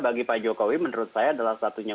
bagi pak jokowi menurut saya adalah satunya